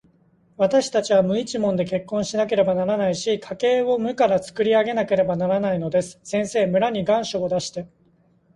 わたしたちは無一文で結婚しなければならないし、家計を無からつくり上げなければならないのです。先生、村に願書を出して、